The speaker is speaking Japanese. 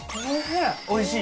おいしい。